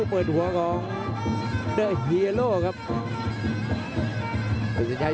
พยาบกระแทกมัดเย็บซ้าย